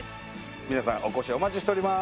皆さんお越しをお待ちしております。